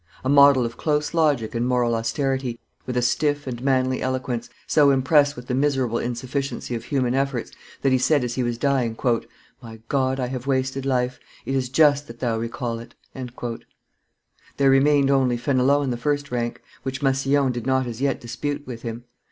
A model of close logic and moral austerity, with a stiff and manly eloquence, so impressed with the miserable insufficiency of human efforts, that he said as he was dying, "My God, I have wasted life; it is just that Thou recall it." There remained only Fenelon in the first rank, which Massillon did not as yet dispute with him.